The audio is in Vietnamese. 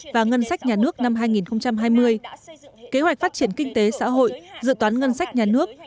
và ngân sách nhà nước năm hai nghìn hai mươi kế hoạch phát triển kinh tế xã hội dự toán ngân sách nhà nước